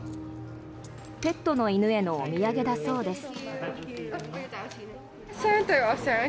ペットの犬へのお土産だそうです。